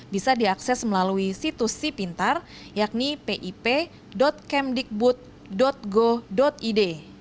bisa diakses melalui situs si pintar yakni pip kemdikbud go id